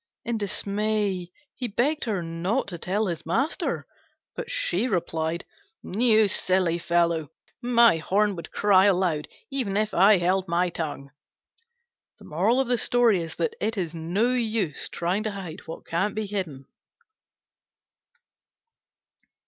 In dismay, he begged her not to tell his master: but she replied, "You silly fellow, my horn would cry aloud even if I held my tongue." It's no use trying to hide what can't be hidden.